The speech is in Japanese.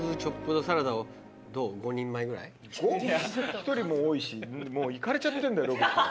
１人も多いしもういかれちゃってんだよ。